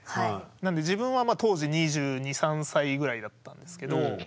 なので自分は当時２２２３歳ぐらいだったんですけど。